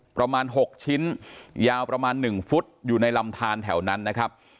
ประมาณ๖ชิ้นยาวประมาณ๑ฟุตอยู่ในลำทานแถวนั้นนะครับ